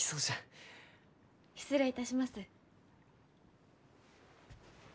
失礼いたします。